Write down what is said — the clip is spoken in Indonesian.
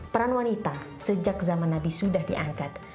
peran wanita sejak zaman nabi sudah diangkat